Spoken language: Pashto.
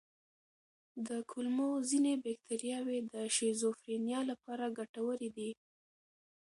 د کولمو ځینې بکتریاوې د شیزوفرینیا لپاره ګټورې دي.